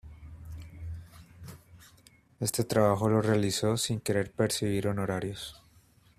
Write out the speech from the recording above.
Este trabajo lo realizó sin querer percibir honorarios.